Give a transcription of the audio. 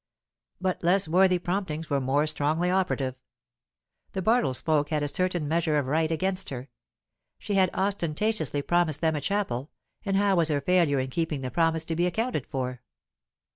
But less worthy promptings were more strongly operative. The Bartles folk had a certain measure of right against her; she had ostentatiously promised them a chapel, and how was her failure in keeping the promise to be accounted for?